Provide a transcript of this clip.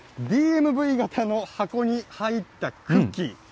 ＤＭＶ型の箱に入ったクッキー。